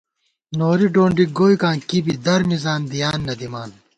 نوری ڈونڈِک گوئیکاں کی بی درمِزان دِیان نہ دِمان